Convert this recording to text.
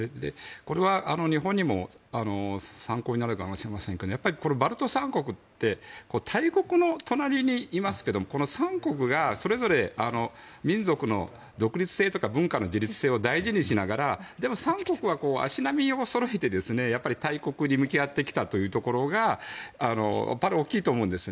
これは日本にも参考になるかもしれませんがやっぱりバルト三国って大国の隣にいますけど三国がそれぞれ民族の独立性とか文化の自立性を大事にしながら三国は足並みをそろえて大国に向き合ってきたところが大きいと思います。